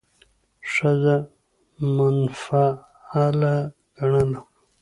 ښځه منفعله ګڼله،